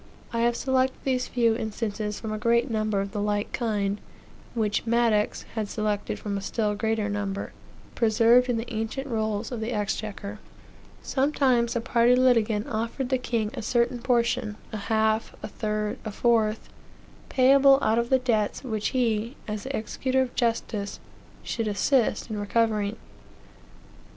I have selected these few instances from a great number of the like kind, which Madox had selected from a still greater number, preserved in the ancient rolls of the exchequer. Sometimes a party litigant offered the king a certain portion, a half, a third, a fourth, payable out of the debts which he, as the executor of justice, should assist in recovering.